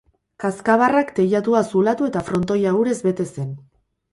Kazkabarrak teilatua zulatu eta frontoia urez bete zen.